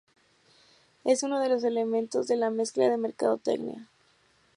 Es uno de los elementos de la Mezcla de mercadotecnia.